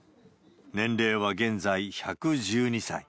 年齢は現在１１２歳。